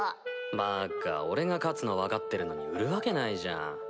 バッカ俺が勝つの分かってるのに売るわけないじゃん。